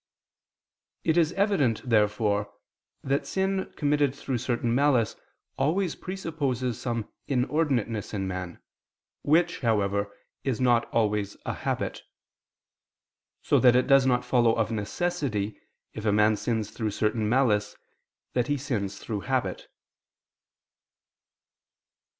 It is evident, therefore, that sin committed through certain malice, always presupposes some inordinateness in man, which, however, is not always a habit: so that it does not follow of necessity, if a man sins through certain malice, that he sins through habit.